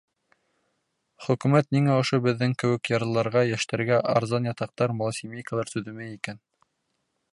Хөкүмәт ниңә ошо беҙҙең кеүек ярлыларға, йәштәргә арзан ятаҡтар, малосемейкалар төҙөмәй икән.